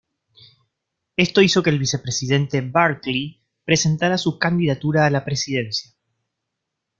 Esto hizo que el vicepresidente Barkley presentara su candidatura a la presidencia.